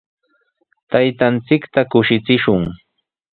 Taytanchikta kushichishun.